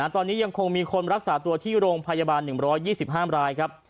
ตอนนี้ยังคงมีคนรักษาตัวที่โรงพยาบาล๑๒๕รายครับ